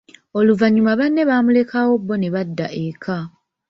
Oluvanyuma banne bamulekawo bo ne badda eka.